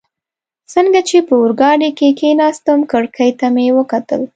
څنګه چي په اورګاډي کي کښېناستم، کړکۍ ته مې وکتل.